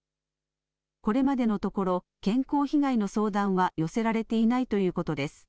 これまでのところ、健康被害の相談は寄せられていないということです。